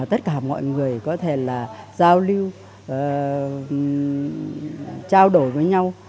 tất cả mọi người có thể là giao lưu trao đổi với nhau